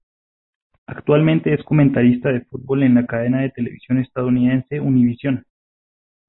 Actualmente es comentarista de fútbol en la cadena de televisión estadounidense Univisión.